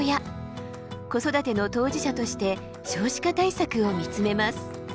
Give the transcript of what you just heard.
子育ての当事者として少子化対策を見つめます。